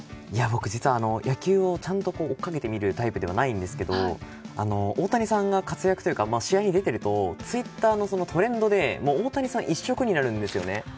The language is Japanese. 僕、実は野球をちゃんと追いかけて見るタイプではないんですけど大谷さんが活躍というか試合に出ているとツイッターのトレンドで大谷さん一色になるんですよね。